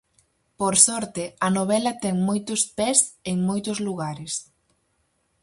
Por sorte, a novela ten moitos pés en moitos lugares.